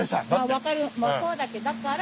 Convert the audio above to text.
分かるそうだけどだから。